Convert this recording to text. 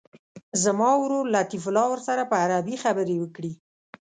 زما ورور لطیف الله ورسره په عربي خبرې وکړي.